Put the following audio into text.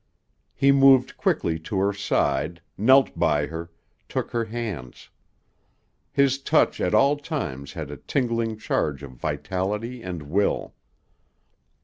He moved quickly to her side, knelt by her, took her hands. His touch at all times had a tingling charge of vitality and will.